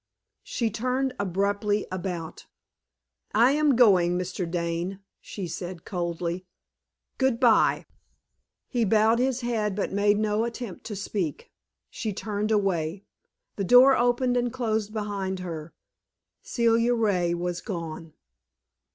She turned abruptly about. "I am going, Mr. Dane," she said, coldly; "good bye." He bowed his head, but made no attempt to speak. She turned away. The door opened and closed behind her. Celia Ray was gone.